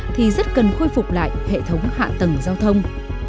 thì rất cần khôi phục lại hệ thống hạ tầng giao thông